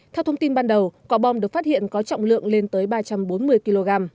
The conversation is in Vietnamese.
theo thông tin ban đầu quả bom được phát hiện có trọng lượng lên tới ba trăm bốn mươi kg